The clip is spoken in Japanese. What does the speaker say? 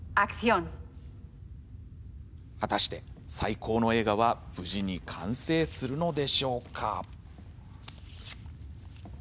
果たして、最高の映画は無事に完成するのでしょうか？